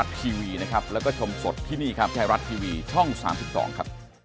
สวัสดีครับ